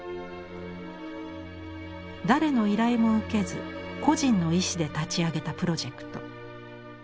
誰の依頼も受けず個人の意志で立ち上げたプロジェクト。